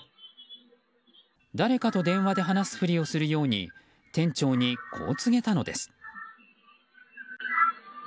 誰かと電話で話すふりをするように店長にこう告げたのです。